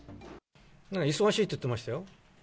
忙しいって言ってましたよ。